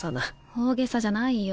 大げさじゃないよ。